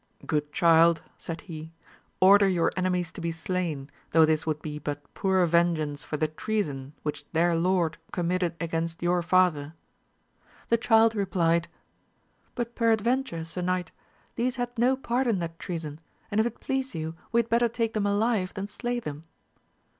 Good child, said he, order your enemies to be slain, though this would be but poor vengeance for the treason which their lord committed against your father. The child replied, AMADIS OF GAUL 275 But peradventure, Sir Knight, these had no part in that treason, and if it please you, we had better take them alive than slay them.